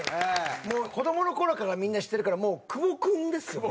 もう子どもの頃からみんな知ってるからもう「久保君」ですよね。